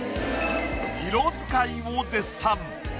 色使いを絶賛。